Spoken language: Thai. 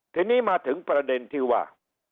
ทีนี้มาถึงประเด็นที่ว่า